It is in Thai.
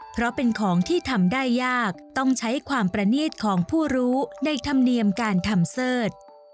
เพราะเป็นของที่ทำได้ยากต้องใช้ความประนีตของผู้รู้ในธรรมเนียมการทำเสิร์ช